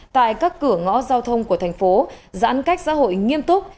tại các cửa ngõ giao thông của tp giãn cách xã hội nghiêm túc